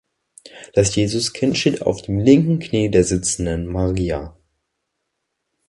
Das Jesuskind steht auf dem linken Knie der sitzenden Maria.